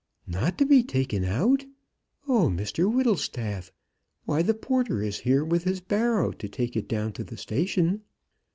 "Not taken out! Oh, Mr Whittlestaff! Why, the porter is here with his barrow to take it down to the station."